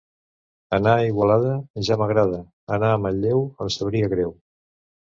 Anar a Igualada, ja m'agrada; anar a Manlleu, em sabria greu.